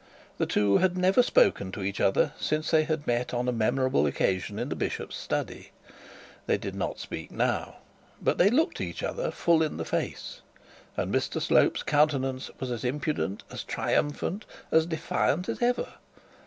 The two had never spoken to each other since they had met on a memorable occasion in the bishop's study. They did not speak now; but they looked at each other full in the face, and Mr Slope's countenance was as impudent, as triumphant, as defiant as ever.